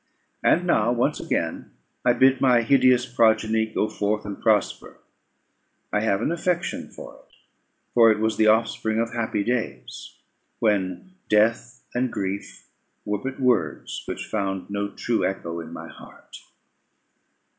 And now, once again, I bid my hideous progeny go forth and prosper. I have an affection for it, for it was the offspring of happy days, when death and grief were but words, which found no true echo in my heart.